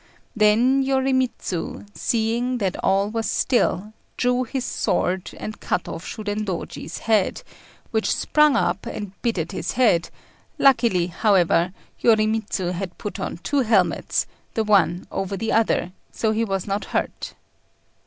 Then Yorimitsu, seeing that all was still, drew his sword, and cut off Shudendôji's head, which sprung up and bit at his head; luckily, however, Yorimitsu had put on two helmets, the one over the other, so he was not hurt.